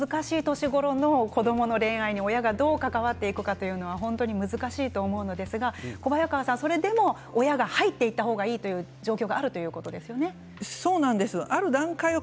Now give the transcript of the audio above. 思春期で難しい年頃の子どもの恋愛に親がどうやって関わっていくかということが難しいと思いますがそれでも親が入っていった方がいいという状況があるということですね。